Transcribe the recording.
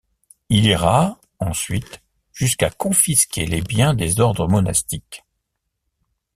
Il ira, ensuite, jusqu'à confisquer les biens des ordres monastiques.